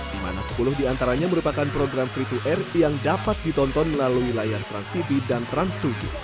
di mana sepuluh diantaranya merupakan program free to air yang dapat ditonton melalui layar transtv dan trans tujuh